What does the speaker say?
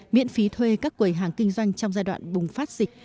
miễn phí thuê các quầy hàng kinh doanh trong giai đoạn bùng phát dịch